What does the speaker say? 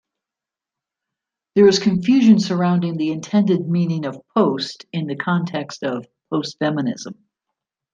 There is confusion surrounding the intended meaning of "post" in the context of "postfeminism".